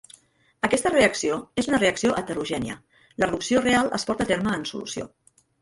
Aquesta reacció és una reacció heterogènia, la reducció real es porta a terme en solució.